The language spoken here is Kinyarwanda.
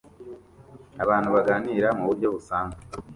Abantu baganira muburyo busanzwe